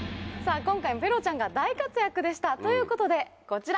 今回もペロちゃんが大活躍でした！ということでこちら！